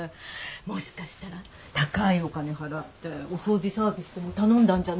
もしかしたら高いお金払ってお掃除サービスでも頼んだんじゃないかって。